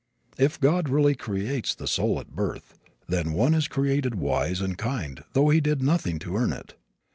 If God really creates the soul at birth, then one is created wise and kind though he did nothing to earn it.